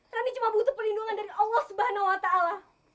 rani cuma butuh perlindungan dari allah subhanahu wa ta'ala